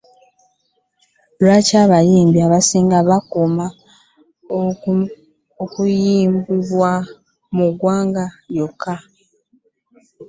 Lwaki abayimbi abasinga bakoma kumanyibwa mu ggwanga lyokka?